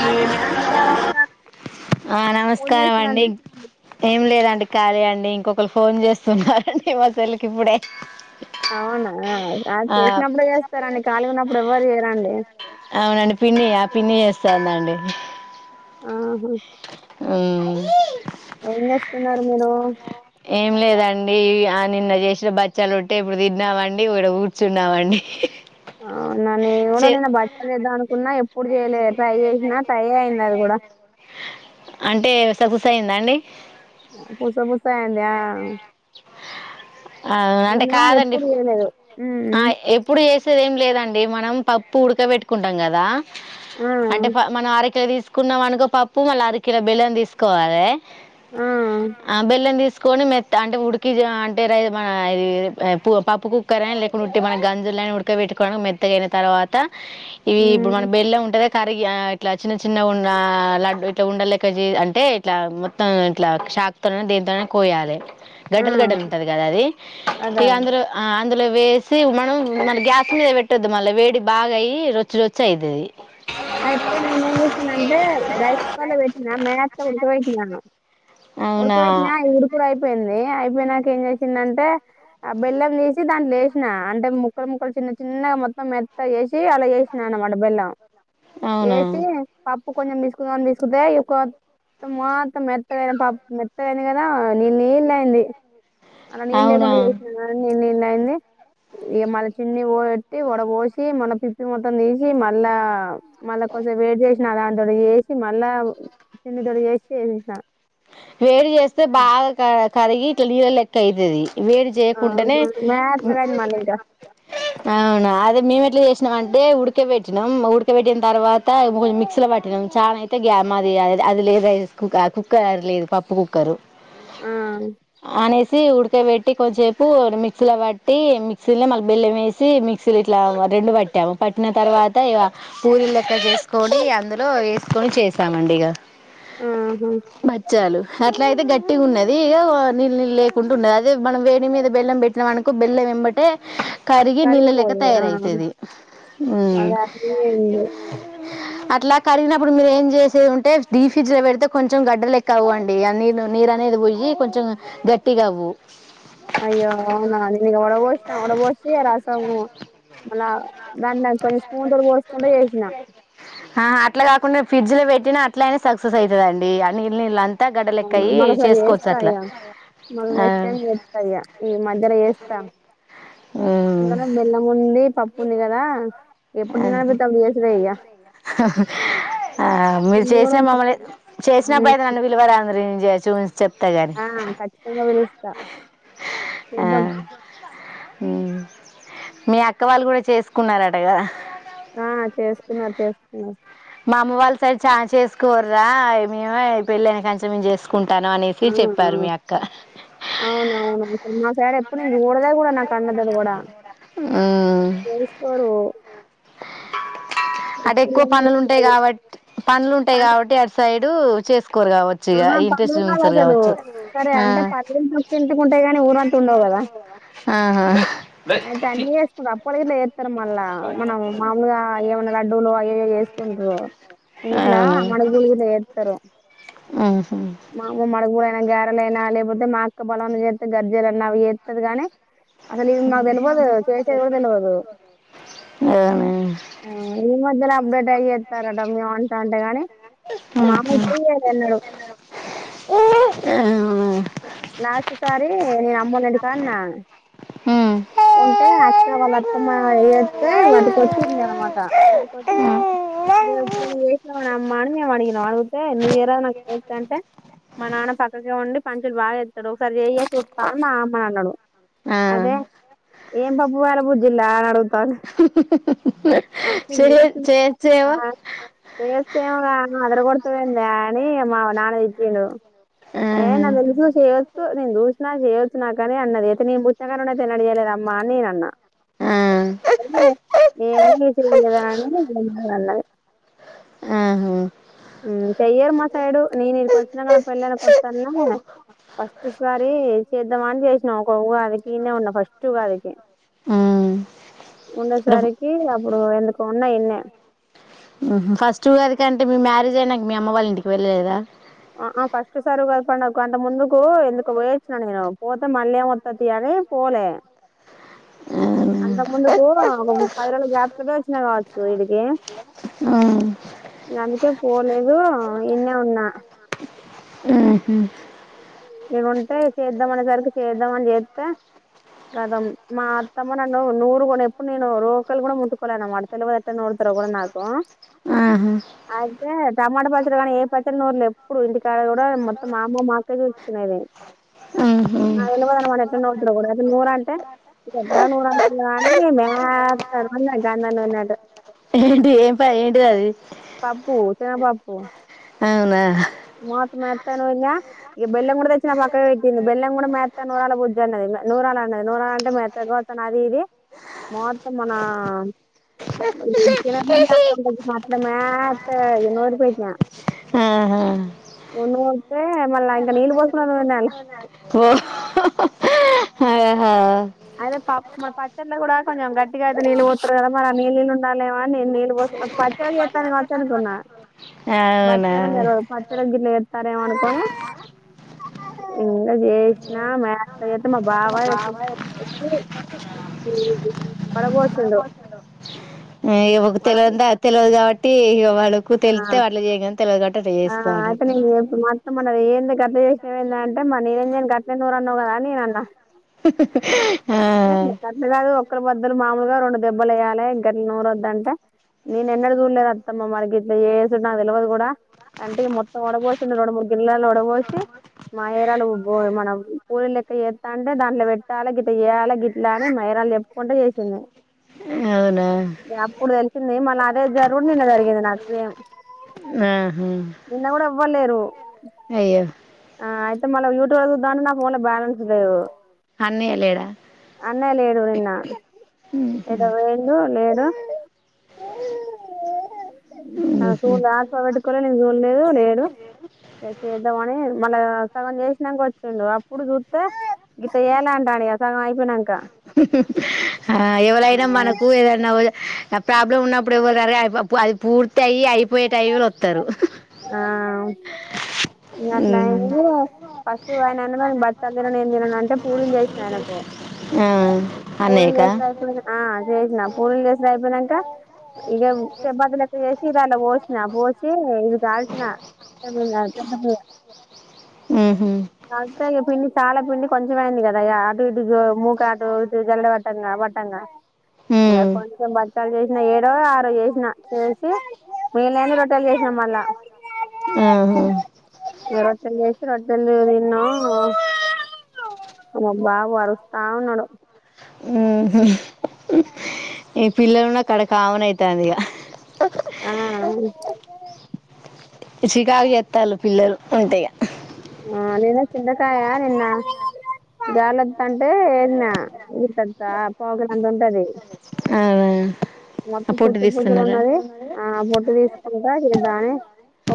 రాజేష్ నమస్కారం ఆ ఫోన్ నమస్కారం అండి చేసినందుకు ఏం లేదండి ఖాళీ అండి ఇంకొక ఒకలు ఫోన్ చేస్తున్నారండి మా సెల్లుకి ఇప్పుడే అవునా అ ఆ చేసినప్పుడు చేస్తారండి కాాలగా ఉన్నప్పుడు ఎవ్వరు చేయరండి పిని చేస్తాందడి ఆహా హ్మ్మ్ ఏం చేస్తున్నారు మీరు ఏం లేదండి ఆ నిన్న చేసిన బచ్చాలు ఉట్టే ఇప్పుడు తిన్నామండి ఇడ కూర్చున్నామండి అవునా నేను కూడా చె నిన్న భక్షాలు చేద్దామనుకున్నా ఎప్పుడు చేయలేదు అంటే తగుస అయిందా అండి పూసా పూస అయిందా అ అంటే కాదండి ఎప్పుడు చేయలేదు ఆ ఉమ్ ఎప్పుడు చేసేది ఏం లేదండి మనం పప్పు ఉడకబెట్టుకుంటాం కదా ఆ అంటే ప మన ఆరక తీస్ తీసుకున్నాం అనుకో పప్పు మళ్లా అర కిలో బెల్లం తీసుకోవాలే ఆ ఆ బెల్లం తిస్ కొని మేత్తా ఉడ్ కిజ అంటే రైజ్ మన ఇది ప పప్పు కుక్కర లేకుంటే మన గంజుల ఉడకబెట్టుకోవడానికి మెత్తగైన తర్వాత ఇవి ఇప్పుడు ఉమ్ మన బెల్లం ఉంటద కరిగి ఆ ఇట్లా చిన్న చిన్న ఉన్న లడ్ ఇట్లా ఉండలేక అంటే ఇట్లా మొత్తం ఇట్లా షాక్ తో దేంతో అయినా కోయాలి. ఆ గడ్డలు గడ్డలు ఉంటది కదా అది అదే ఇక అదే అందరు ఆ అందులో వేసి మనం మన్ గ్యాస్ మీద పెట్టొద్ది మళ్ళీ వేడి బాగా అయి రొచ్చి రొచ్చి అయితది. అయితే నేను ఏం చేసిన అంటే రైస్ కుకర్లో పెటిన్య మేత్తగా వుడుకు పోయిసినాను. అవునా ఉడకబెట్టినా ఉడకు అయిపోయింది అయిప్ పోయినాక ఏం చేసింది అంటే ఆ బెల్లం తీసి దాన్ వేసినా అంటే ముక్కలు ముక్కలు చిన్న చిన్నగా మొత్తం మెత్తగా చేసి అలా చేసినా అనమాట బెల్లం. అవునా ఎసి పప్ కొంచెం పీసుకుదమని తీసుకుంటే మొత్తం మెత్తగైన పప్ మెత్తగైంది కదా నీల్ నీలు అయింది. అలా నీల్ అవునా లేకుండా చేసిన నినా అయింది ఇ మలా చిన్ని పోట్టి వడ పోసి మలా పిప్పి మొత్తం తీసి మల్లా మళ్ళా కొంచెం వేడి చేసిన దంతోటి చేసి మళ్ళా తిన్నితోటి చేసి చేసినా వేడి చేస్తే బాగా కడగ్ కరిగి ఇట్లా నీరు లెక్క అయితది వేడి ఆ చేయకుండానే ఉ మెత్తగా అయింది మళ్ళీ ఇంకా అవును అదిే మీమేట్ ఇట్లా చేసినాం అంటే ఉడకబెట్టినాం ఉడకబెట్టిన తర్వాత ము మిక్సీలో పట్టినాం చాన అయితే గ్యా మాది అది లేదు కుక ఆ కుక్ క్కర్ లేదు పప్పు కుక్కరు ఆ అనెస్ ఉడకాయబెట్టి కొంచసేపు మిక్సీలో పట్టి మిక్సీలో మలా బెల్లం వేసి మిక్సీలు ఇట్లా రెండు పట్టాము, పట్టిన తర్వాత ఇగా పూరిల్ లెక్క చేసుకొని అందులో వేసుకొని చేసామండి ఇగా. ఆ మచ్చాలు అట్లా అయితే గట్టిగా ఉన్నది ఇగో నీళ్ నీళు లేకుండా ఉన్నది అదే మనం వేడి మీద బెల్లం పెట్టినామ్ అనుకో బెల్లం వెంబటే కరిగి నీళ్ళలేక కరిగిపోయింది ఆ తయారైతది ఉ అదే అట్లనే ఉంది అట్లా కరిగినప్పుడు మీరు ఏం చేసే ఉంటే డీ ఫ్రిడ్జ్ లో పెడితే కొంచెం గడ్డలెక్క ఆవు అండి అ నీరు నీరు అనేది పోయి కొంచెం గట్టిగా అవ్వు అయ్యో అవునా నీనిగా వాడావోచన వాడవోషి ఆ రాసాము. మళ్ళా దాన్ల కొంచెం స్పూన్ తోటి పోసుకుండ ఏచనా ఫిడ్జ్లా పెట్టిన అట్లైనా సక్సెస్ అయితదండి. ఆ నీళ్ నీళ్ళన్ అవునా మళ్ళా సరి యేస్తాయా. మళ్ళా ఆ నెక్స్ట్ టైమ్ యేస్తాయా. ఈ సరే యేస్తాం ఇళ్లనం ఉమ్ బెల్లం మోన్ రీ పప్పుంది కదా ఎప్పుడు ఆ తినాలనిపిత్తే అప్పుడు చేసుడే ఇగ ఆ ఆ మీరు పిన్ని కూడా చేసిన మమ్మల్ని ఉంచుతాను హ్మ్. చేసినప్పుడైతే నన్ను విలువ రా ఫారెజియా చూయిస్ ఆ కచ్చితంగా విలుస్ సాహు ఏదం హుహ్ మీ అక్క వాళ్ళు కూడా చేసుకున్నారటగాదా ఆ చేసుకున్నారు చేసుకున్నార్. మా అమ్మ వాళ్ళ సైడ్ ఛాయ్ చేసుకోరురా ఇగ్ మీమే ఈ పెళ్ళైన కంచే మీమ్ జేస్ ఆ ఆ అవునవును మా సైడ్ ఎప్ ఇప్పుడు నీన్ చూడలే కూడా నాక్ అన్నదది కూడా ఉమ్ అటు ఎప్పుడు ఎక్కువ ఏం పనులు ఉంటాయి. చేసుకోరు. గావాట్ పనులు ఉంటాయి. పం- కాబట్టి ఆడ్ సైడ్ టు చేస్క్ ఆహా పండుగాదు అసలు సరే అంటే ఆ పండగలు నొక్కింటికుంటై గాని ఊరంత ఉండవు కదా ఆహా అయితే అన్నీ చేసుకురు. అప్పడి కూడా ఎట్ల తరు మళ్ళా మనం మామూలుగా ఏవన్నా లడ్డూలు అయ్యాయో చేసుకుంట్రు ఇంట్లా మనగునగుంట్ల చేస్తరు. తోహ్ హహు గారలైనా లేకపోతే మా అక్క బొలన చేస్తే గర్జలు అన్నా అవి చేస్తది గానీ అసలు ఇవి మాకు తెల్వదు చేసేయ్ కూడా తెల్వదు. అవునా ఆ ఈ మధ్య అప్డేట్ ఆయయ్ సరడం మీవు అంట్ అంటేగాని మామైతేయక్ ఎన్నాడో ఆ లాస్ట్ సారి నేను అమ్మోలింటికాడా ఉన్నా ఉంటే అక్క వాళ్ళ అత్తమ్మ ఏయోస్తే వాటుకొచ్చి ఉండ అనమాట వాటుకొస్తే ఇగా ఎప్పుడు నువ్వు యేసిన అమ్మ మేము అడిగినం అడుగుతే సేవన్క్ తెలుసా అంటే మా నాన్న పక్కకే ఉండి పంచులు బాగ్ యేస్తడు ఒకసారి చేయే చూస్తా మా అమ్మానాన్నాడు అదే ఏం పబ్బు వాల్ బు చిల్లనడుంద్ అంటేే చే ఏం చెయ్ [inaudible] చేయొచ్చేమో అదర గొడ్ తువెందా నీ మా నానా తిట్టిండు ఆ ఏ న దెలుసు చెయ్యొచ్చు నేన్ జూష్ నాకు చేయొచ్చు నాకనే అన్నది ఐతే నేను పుచ్చకన్నా తినడి చేయలేద అమ్మా అని నేనన్నా. ఏ మూడి చేయింగదాని ఆహా మ్మ్ చెయ్యరు మ నేను ఈడికొచ్చినాక నా పెళ్ళైన కొత్తల్లో ఫస్ట్ సారి చేద్దామని చేస్ ఒక ఉగాదికి ఈన్న ఉన్న ఫస్ట్ ఉగాదికి ఉండేసరికి అప్పుడు ఎందుకు ఉన్న ఇన్నే ఫస్ట్ ఉగాది కంటే మీ మ్యారేజ్ అయినాక మీ అమ్మ వాళ్ళ ఇంటికి వెళ్ళలేదా అ ఆ ఫస్ట్ సార్ ఉగాది పండగక్కు అంత ముందుకు ఎందుకో బొయొచ్చిన నేను, పోతే మళ్ళీ ఏంవత్తుతీ అని పోలే. ఆహా అంత ముందు ఏమో ఆమా పది రోజులు గ్యాప్ తోటే వచ్చినా కావచ్చు వీడికి ఆ గందుకే పోలేదు ఈన్నే ఉన్నా వంటే చేద్దామనే సరికి చేద్దామని చేత్తే గదం మా అత్తమ్మ నన్ను నూరు గూడా ఎప్పుడు నేను రోకలు గుడా ముట్టుకోలా నామడతలు గుడనెట్ట నూడతారు కూడా నాకు, ఆహా ఆ అయితే టమాటా పచ్చడి కానీ ఏ పచ్చడి నూర్లే ఎప్పుడు, ఇంటికాడా గుడా మొత్తం మా అమ్మ మాక్కే చూ ఆహా [unintelligible] అంటే [unintelligible] ఏంటి ఏం ప ఏంటిటది పబూ చెనబబూ అవునా మెత్త నుయింగ ఈ బెల్లం గుడ తెచ్చిన పక్క పెట్టింది బెల్లం గూడా మెత్త నూరాల బుజ్ అన్నది నూరాలన్నది నూరాల అంటే మెత్త గత అది ఇది మొత్తం మన [inaudible] మాత నూరు పోయిక ఆహా ఉన్నూతే మళ ఇంక నీళ్ళ పోసుకున్నాల పో అదే ప మన పచ్చడ్ల కూడా కొంచెం గట్టిగా అయితే నీళ్ళు పోతర్రు గదా మరి ఆ నీళ్ నీళ్ ఉండాలేమౌ అని నేను నీళ్ళు పోస్ పచ్చడి చేత్తన కావచ్చనుకున్నా. అవునా దగ్గరలోస్తారేమనుకోని ఇంగ జేషినా [inaudible] బావా ఈడకి వచ్చి పడబోషిండు ఆ ఈమకు తెలవందా తెలవద్ కాట్ తీయ్యౌ వాళ్ళకు ఆ తెలుతే అట్ల చేయంగంతే గదా చేస్తా అనట్ మన్నది ఏంది కద్ద చేసినావ ఏందా అంటే మ నిరంజన్ కట్టనూరన్నవు గదా అని నేనన్నా ఆ అంత కాదు ఒక్కరు బద్దలు మాములుగా రెండు దెబ్బలెయ్యాలే ఇ గట్ల నూరొద్దంటే, నేను ఎన్నడు చూడ్లేదు అత్తమ్మా మరిగిట్ల జేసుడు నాకు తెలవదు గూడా. అంటే మొత్తం ఉడబోసుండు రొండు, మూడు గిన్లైల్లో ఉడబోసి మయరాలు మనం పూలీ లెక్క చేత్తాంటే దాంట్లో పెట్టాలి గిట్ చేయాలి గిట్లా అని మయరాలు చెప్పుకుంటూ చేసింది అవునా అప్పుడు తెలిసింది మళా అదే జరుగుని జరిగింది నాకుమ్. ఆహా. నిన్న గుడ ఎవ్వలేరు అయ్యో ఆ అయితే మళ్ళ యూట్యూబ్ చుదాం అంటే నా ఫోన్ లో బ్యాలెన్స్ లేదు. అన్నయ్య లేడా ఏ లేడు నిన్న ఉహు. ఎటో బొయిండు లేడు [inaudible] ఉహు. ఆశ పెట్టుకోలే నేన్ జూల్లేదు లేడు ఇగ చేద్దామని మళ్ళా సగం చేసినంక వచ్చిండు అప్పుడు చూత్తే గిట్ల చేయాలంటాండిగ సగం అయిపొయినంక. ఆ ఎవలైనా మనకు ఏదన్నా ప్రాబ్లం ఉన్నప్పు ఇప్పుడు ఎవ్వరు రారు కానీ అది పూర్తి అయి అయిపోయే టైంలో వత్తరు ఆ మీ అట్లా ఉమ్. [unintelligible] ఫస్ట్ ఆయన [unintelligible] ఎమ్ తినను అంటే పూరీలు చేసినా ఆయనకు ఆ పూరీలు అన్నయ్యకా చేస్తే అయిపోయింది ఆ చేసిన పూరీలు చేసిన అయిపోయినంక ఇగ చపాతీ అట్టే చేసి [unintelligible] పోసిన పోసిఇ కాల్చిన ఉహు. [unintelligible] [inaudible] అ పిండి చాలా పిండి కొంచెం అయింది కదా ఇక అటు ఇటు మూక అటు ఇటు జల్ల పట్టంగా పట్టంగా ఇక హ్మ్ కొంచెం బచ్చలు చేసిన ఏడో ఆరో చేసిన చేసి మిగిలింది రొట్టలు చేసినా మళ్ళా ఆహా రొట్టెలో చేసి రొట్టెలు తిన్నాం మా బాబు అరుస్తా ఉన్నాడు ఉహు ఈ పిల్లలున్నా కాడ కామన్ అయితంది ఇగ ఆ ఉ చికాగు చెత్తల్లు పిల్లలు ఉంటే ఇగ ఆ నేనే చింతకాయ నిన్న గాలి వత్తంటే ఏరీనా గంత పోగలంత ఉంటది అవునా ఆ మొత్తం పొట్టు పుచ్చులు పుచ్చులు తీస్తున్నారా ఉన్నాది ఆ వేసుకుంటా నేను రాను ఏ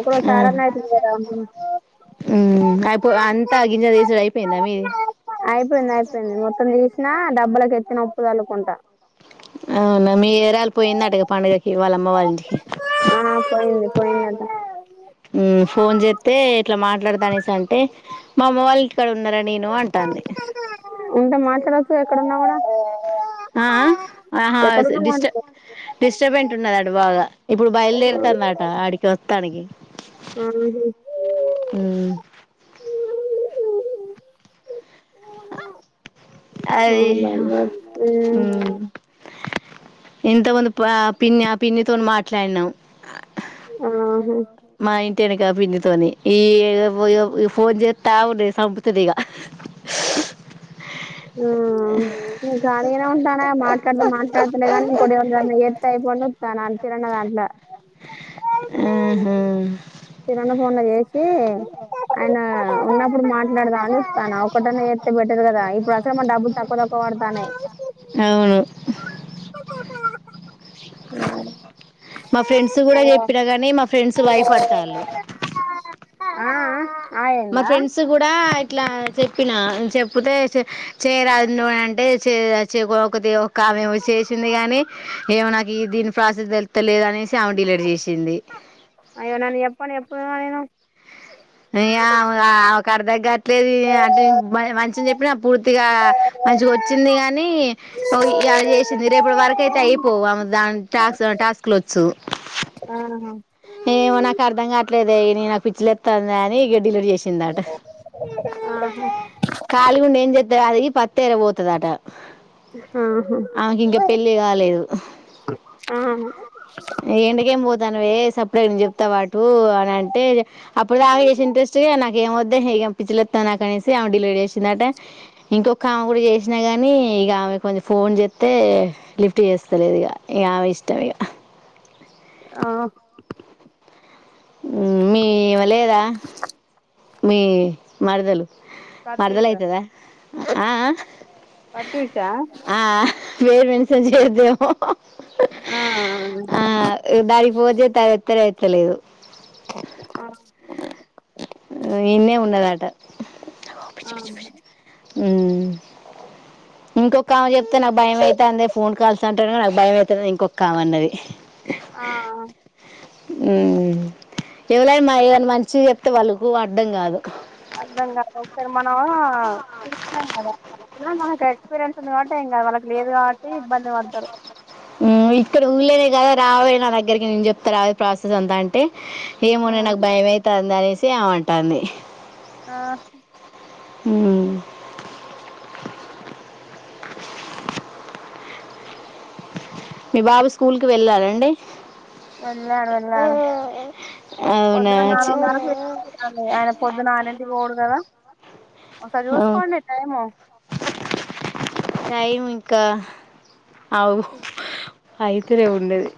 ఒక రోజు చారు అన్న [unintelligible] ఊ అంతా గింజ తీసేది అయిపోయిందా మీది అయిపోయింది అయిపోయింది మొత్తం తీసినా డబ్బులక ఎత్తిన ఉప్పు జల్లుకుంట అవునా, మీ ఏరాలు పోయిండటగా పండుగకి వాళ్ళ అమ్మ వాళ్ళ ఇంటికి పోయినాడంట ఉ ఫోన్ చేస్తే ఇట్లా మాట్లాడతా, అనేసి అంటే మాఅమ్మ వాళ్ళ ఇంటి కడా ఉన్నారా నేను అంటాంది ఉంటే మాట్లాడొచ్చు ఎక్కడున్నా కూడా అ ఆ ఆహా ఎక్కడున్నా డిస్టర్బ్ మాట్లాడు డిస్టర్బెంట్ ఉన్నద అ బాగా ఇప్పుడు బయలుదేరుతందిట ఆడికి వస్తానికి ఉహ్ హు హు హుమ్ అయి హు ఇంతమందుపు ఆ పిన్ని ఆ పిన్నితో మాట్లాడినాం ఆహు మా ఇంటి వెనుక పిన్ని తోనీ ఈ ఫోన్ చేస్తా అగు సంపుతది ఇగ ఆ నేను ఏమి అంటున్న గా, మాట్లాడితే మాట్లాడుత లేదు కానీ, ఇంకోటి ఎవరి కన్నా చేస్తుందీ టై పొన్ను నా తీరన్న దాంట్లో ఉహు మొన్న చేసి ఆయన ఉన్నప్పుడు మాట్లాడదా అని చూస్తున్న ఒకటన్న చేస్తే బెటర్ కదా అనీ ఇప్పుడు అసలే మనకు డబ్బులు తక్కువ తక్కువ పడుతున్నాయి అవును ఆ మా ఫ్రెండ్స్ కూడా చెప్పిన గానీ మా ఫ్రెండ్స్ బయపడతాల్లు ఆ ఆ మా అయిందా ఫ్రెండ్స్ కూడా ఇట్లా చెప్పినా, చెప్పుతే చె చెయ్యరాదు నువ్వు అంటే చేయచ్చు ఒకతి ఒకామేమో చేసింది కాని, ఏమో నాకు ఈ దీని ప్రాసెస్ తెలుతలేదు అనేసి ఆమె డిలీట్ చేసింది. ప్తునుగా నేను. ఇగా ఆమె ఆమెకి అర్థం కావట్లేదు, అంటే మంచినే చెప్పిన పూర్తిగా మంచిగా వచ్చింది కానీ, ఓ ఇయ్యాల చేసింది రేపుటి వరకు అయితే అయిపోవు ఆమె దాని టాస్ టాస్క్లుఅచ్చు. ఆ ఏమో నాకు అర్ధం కాట్లేదే నీ నాకు పిచ్చిలేెత్తాంది అని డిలీట్ చేసిందాట, ఆహా ఖాళీగా ఉండి ఏం చేత్తది అది పత్తెరా పోతదాట, ఆమెకి ఇంక పెళ్లి కాలేదు ఆహా ఇగ ఎండకు ఏంపో తనవే సబ్ ఇప్పుడే నేను చెప్త పటు అని అంటే అప్పుడు దాకా చేసి ఇంట్రెస్ట్గా నాకు ఇగ ఏమద్దు ఇహా ఇగ పిచ్చిలెత్తాంది నాకు అనేసి ఆమె డిలీట్ చేసిందాట, ఇంకొక ఆమె కూడా చేసినా గాని ఇగా ఆమె కొంచెం ఫోన్ చెత్తే లిఫ్ట్ చేస్తలేదు ఇగా, ఇగ ఆమె ఇష్టం ఇగా ఆ హ్ మీ వ లేదా మీ మరదలు మరదలు ప్రత్యూష అయితదా. ఆ ఆ ప్రత్యూషా పేరు మెన్షన్ చేయ్యదేమో. ఆ ఆ దానికి ఫోన్జేతే అది ఎత్తలేదు. తెలియదు. ఆ ఇన్నే ఉన్నదాట ఓ ఆ పిచి పిచి పిచ్ హ్మ్ ఇంకొకామేకి చెప్తే నాకు భయం అయితాందే ఫోన్ కాల్స్ అంటనే నాకు భయం అయితాంది అని ఇంకొకామె అన్నది. ఆ హ్మ్ ఎవలైనా మ ఏదైనా మంచిగ చెప్తే వాళ్ళకు అర్థం కాదు. అర్థం కాదు ఒకసారి మనం చూసినం కదా మనకు ఎక్స్పీరియన్స్ ఉంది కాబట్టి ఏం కాదు. వాళ్ళకి లేదు కాబట్టి ఇబ్బంది పడ్తరు. హ్మ్ ఇక్కడ ఊళ్ళేనే కదా రావె నా దగ్గరికి నేను చెప్తా రావె ప్రాసెస్ అంతా అంటే ఆ ఏమోనె నాకు భయమైతాంది అనేసి ఆమె అం టాంది. ఆ హ్ మీ బాబు స్కూల్కి వెళ్ళారా అండి వెళ్ళారు వెళ్ళారు అవునా పొద్దున చి- నాలుగున్నరకు ఆయన పొద్దున ఆరింటికి పోడు కదా ఒకసారి ఆ, చూసుకోండి టైము టైం ఇంకా అవును అయితనే ఉన్నది